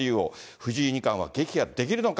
藤井二冠は撃破できるのか。